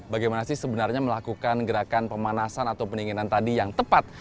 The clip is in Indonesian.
bagaimana sih sebenarnya melakukan gerakan pemanasan atau pendinginan tadi yang tepat